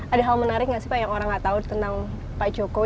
ada hal menarik gak sih pak yang orang gak tau tentang pak joko